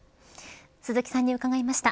鈴木さんに伺いました。